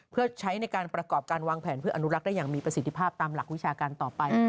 เพื่อใช้ในการประกอบการวางแผนเพื่ออนุรักษ์ได้อย่างมีประสิทธิภาพตามหลักวิชาการต่อไป